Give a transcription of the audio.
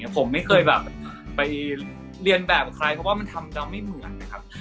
ผมไม่เคยไปเรียนแบบใครเพราะว่ามันทำเราไม่เหมือน